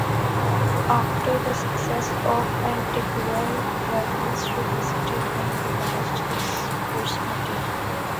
After the success of "Pantagruel", Rabelais revisited and revised his source material.